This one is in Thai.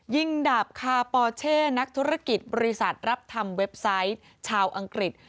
ดาบคาปอเช่นักธุรกิจบริษัทรับทำเว็บไซต์ชาวอังกฤษ